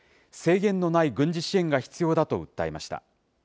制限のない軍事支援が必要だと訴えました。